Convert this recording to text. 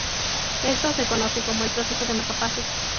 Esto se conoce como el Proceso de Marcapasos.